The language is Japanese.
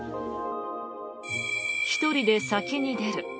１人で先に出る。